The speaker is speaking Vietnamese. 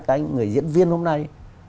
cái người diễn viên hôm nay